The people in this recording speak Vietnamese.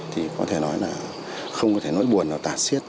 thì có thể nói là không có thể nói buồn nào tả xiết